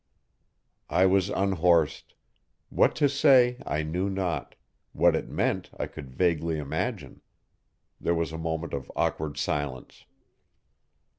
I was unhorsed. What to say I knew not, what it meant I could vaguely imagine. There was a moment of awkward silence.